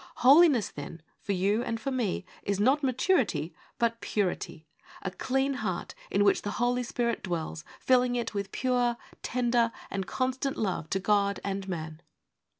Holiness, then, for you and for me, is not maturity, but purity : a clean heart in which the Holy Spirit dwells, filling it with pure, tender, and constant love to God and man.